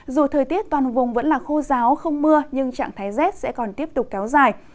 dù thời tiết toàn vùng vẫn là khô giáo không mưa nhưng trạng thái rét sẽ còn tiếp tục kéo dài